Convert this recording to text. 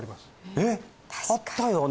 えっあったよね？